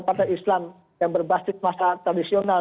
partai islam yang berbasis masyarakat tradisional